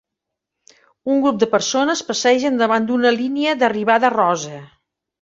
Un grup de persones passegen davant d'una línia d'arribada rosa.